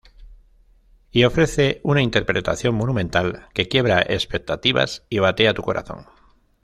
Y ofrece una interpretación monumental, que quiebra expectativas y batea tú corazón".